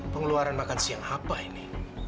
pengeluaran makan siang apa ini